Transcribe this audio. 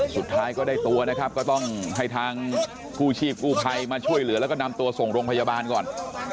สุดท้ายก็ได้ตัวนะครับก็ต้องให้ทางกู้ชีพกู้ภัยมาช่วยเหลือแล้วก็นำตัวส่งโรงพยาบาลก่อน